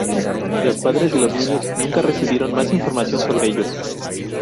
Los padres de los niños nunca recibieron más información sobre ellos.